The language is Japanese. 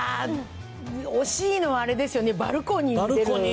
惜しいのはあれですよね、バルコニー、でも。